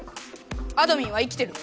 あどミンは生きてる！